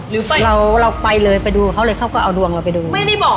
หรือไปเราเราไปเลยไปดูเขาเลยเขาก็เอาดวงเราไปดู